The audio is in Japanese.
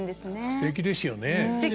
すてきですよね。